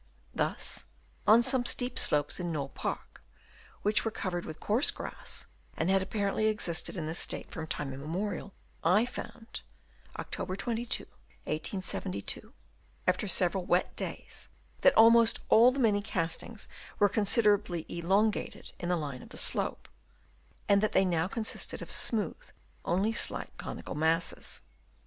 Thus, on some steep slopes in Knole Park, which were covered with coarse grass and had apparently existed in this state from time immemorial, I found (Oct. 22, 1872) after several wet days that almost all the many castings were con siderably elongated in the line of the slope ; and that they now consisted of smooth, only slightly conical masses.